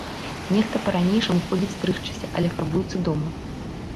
Нехта па-ранейшаму ходзіць стрыгчыся, але фарбуецца дома.